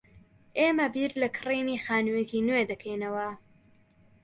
ئێمە بیر لە کڕینی خانوویەکی نوێ دەکەینەوە.